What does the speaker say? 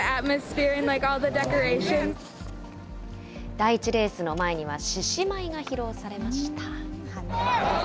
第１レースの前には、獅子舞が披露されました。